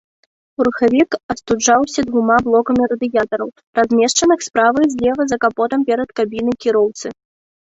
Рухавік астуджаўся двума блокамі радыятараў, размешчаных справа і злева за капотам перад кабінай кіроўцы.